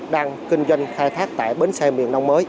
đang kinh doanh khai thác tại bến xe miền đông mới